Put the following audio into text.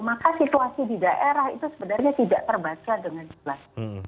maka situasi di daerah itu sebenarnya tidak terbaca dengan jelas